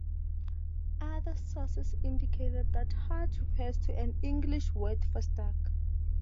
Others sources indicate that "hart" refers to an English word for "stag.